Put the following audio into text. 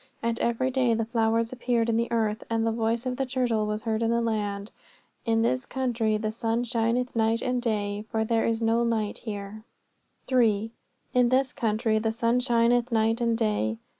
And every day the flowers appeared in the earth, and the voice of the turtle was heard in the land. In this country the sun shineth night and day, for there is no night there. 3. "In this country the sun shineth night and day."